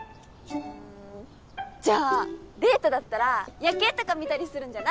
んじゃあデートだったら夜景とか見たりするんじゃない？